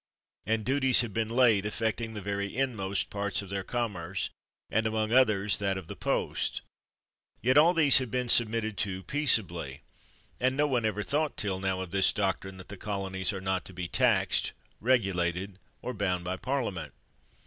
And duties have been laid, affecting the very inmost parts of their commerce, and, among others, that of the post; yet all these have been submitted to peaceably, and no one ever thought till now of this doctrine that the colonies are not to be taxed, regulated, or bound by Parliament.